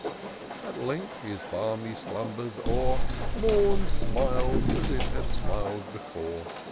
At length his balmy slumbers o'er, Mom smil'd, as it had smil'd before.